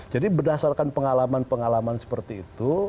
jadi berdasarkan pengalaman pengalaman seperti itu